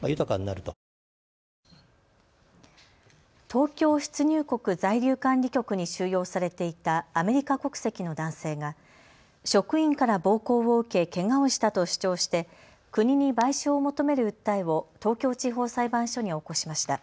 東京出入国在留管理局に収容されていたアメリカ国籍の男性が職員から暴行を受けけがをしたと主張して国に賠償を求める訴えを東京地方裁判所に起こしました。